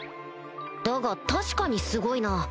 だが確かにすごいな